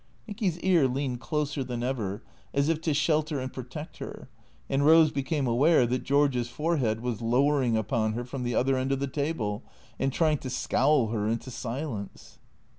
Nicky's ear leaned closer than ever, as if to shelter and pro tect her; and Eose became aware that George's forehead was lowering upon her from the other end of the table and trying to scowl her into silence.